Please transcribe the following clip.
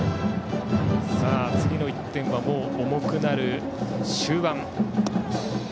次の１点は重くなる終盤。